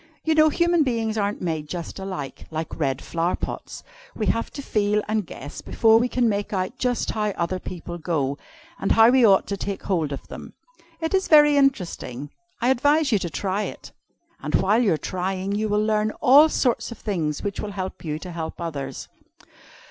You know human beings aren't made just alike, like red flower pots. We have to feel and guess before we can make out just how other people go, and how we ought to take hold of them. It is very interesting, I advise you to try it. And while you are trying, you will learn all sorts of things which will help you to help others."